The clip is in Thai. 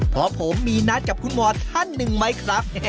เพราะผมมีนัดกับคุณหมอท่านหนึ่งไหมครับ